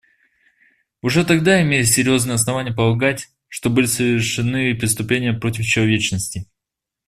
Уже тогда имелись серьезные основания полагать, что были совершены преступления против человечности.